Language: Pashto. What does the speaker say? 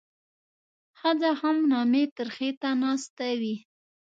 ښځه هم نامي ترخي ته ناسته وي.